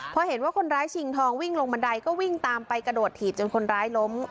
พอเห็นว่าคนร้ายชิงทองวิ่งลงบันไดก็วิ่งตามไปกระโดดถีบจนคนร้ายล้ม